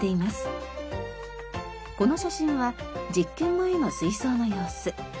この写真は実験前の水槽の様子。